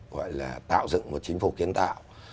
gọi là tạo dựng một chính phủ kiến tạo